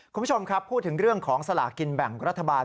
คุณผู้ชมครับพูดถึงเรื่องของสลากินแบ่งรัฐบาล